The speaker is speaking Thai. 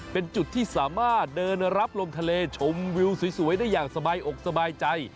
เป็นจุดที่สามารถเดินรับลมทะเลชมวิวสวยได้อย่างสบายอกสบายใจ